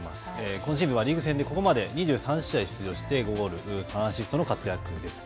今シーズンはリーグ戦でここまで、２３試合出場して５ゴール３アシストの活躍です。